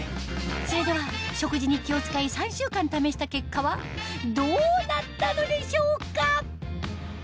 それでは食事に気を使い３週間試した結果はどうなったのでしょうか？